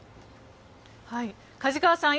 梶川さん